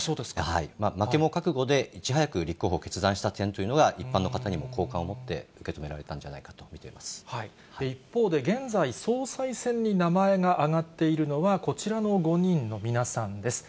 負けも覚悟で、いち早く立候補を決断した点というのが、一般の方にも好感を持って受け止められたんじゃないかと見ていま一方で、現在、総裁選に名前が挙がっているのは、こちらの５人の皆さんです。